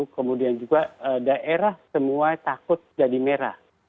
kemudian juga daerah semua takut jadi merah